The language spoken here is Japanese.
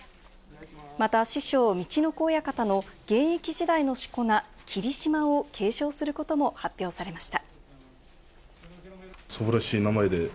また、師匠・陸奥親方の現役時代のしこ名・霧島を継承することも発表されました。